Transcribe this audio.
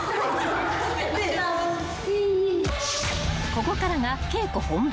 ［ここからが稽古本番］